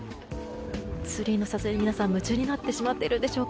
ツリーの撮影に皆さん夢中になってしまっているんでしょうか。